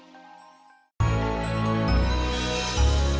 hati hati pak bos